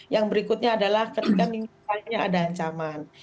yang berikutnya adalah ketika misalnya ada ancaman